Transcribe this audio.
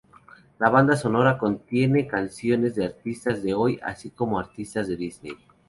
La banda sonora contiene canciones de artistas de hoy, así como artistas de Disney.